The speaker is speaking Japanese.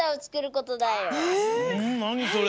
なにそれ？